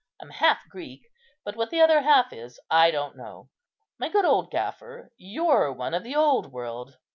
I'm half Greek, but what the other half is I don't know. My good old gaffer, you're one of the old world.